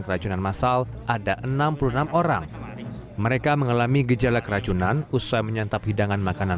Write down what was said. keracunan masal ada enam puluh enam orang mereka mengalami gejala keracunan usai menyantap hidangan makanan